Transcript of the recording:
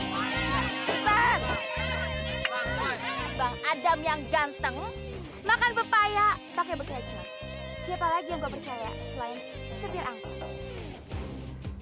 siapa lagi yang gue percaya selain supir angkot